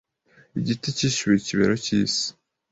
Igiti cyishyuye ikibero cy'isi